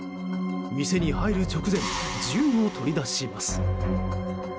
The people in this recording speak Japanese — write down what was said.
店に入る直前銃を取り出します。